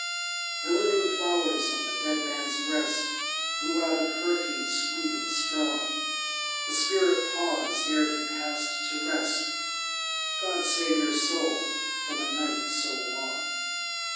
The living flowers on the dead man's breast Blew out a perfume sweet and strong. The spirit paused ere he passed to rest— "God save your soul from a night so long."